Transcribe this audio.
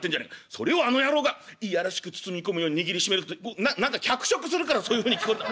それをあの野郎が嫌らしく包み込むように握りしめるな何か脚色するからそういうふうに聞こえんだ。